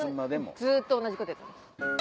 ずっと同じことやってます。